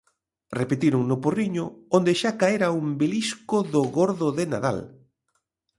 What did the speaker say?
Repetiron no Porriño, onde xa caera un belisco do Gordo de Nadal.